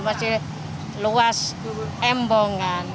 masih luas embongan